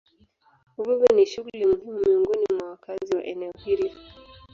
Uvuvi ni shughuli muhimu miongoni mwa wakazi wa eneo hili.